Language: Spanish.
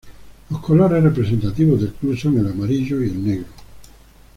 Los colores representativos del club son el amarillo y el negro.